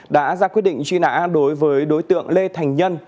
đã ra quyết định truy nã đối với đối tượng lê thành nhân